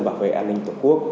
bảo vệ an ninh tổ quốc